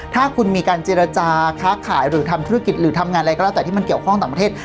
ถ้าคุณมีการเจรจาค้าขายหรือทำธุรกิจหรือทำงานอะไรก็แล้วแต่ที่มันเกี่ยวข้องต่างประเทศ